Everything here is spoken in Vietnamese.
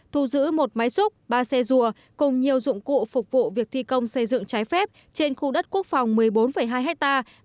thu giữ một máy xúc ba xe rùa cùng nhiều dụng cụ phục vụ việc thi công xây dựng trái phép trên khu đất quốc phòng một mươi bốn hai hectare